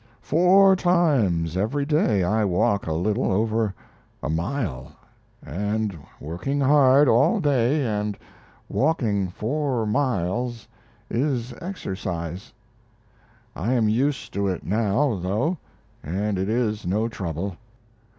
Four times every day I walk a little over a mile; and working hard all day and walking four miles is exercise. I am used to it now, though, and it is no trouble.